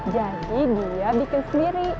jadi dia bikin sendiri